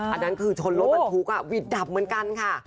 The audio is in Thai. อันนั้นคือชนรถบรรทุกวิทย์ดับเหมือนกันค่ะ